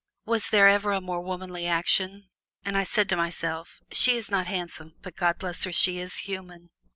Was there ever a more womanly action? And I said to myself, "She is not handsome but God bless her, she is human!"